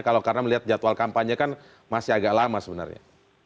kalau karena melihat jadwal kampanye kan masih agak lama sebenarnya